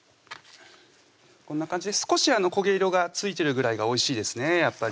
こんな感じで少し焦げ色がついてるぐらいがおいしいですね